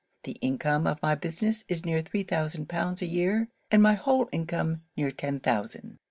The income of my business is near three thousand pounds a year; and my whole income near ten thousand.